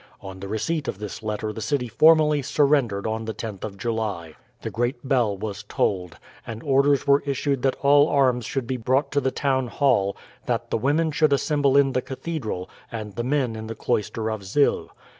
On the receipt of this letter the city formally surrendered on the 10th of July. The great bell was tolled, and orders were issued that all arms should be brought to the town hall, that the women should assemble in the cathedral and the men in the cloister of Zyl.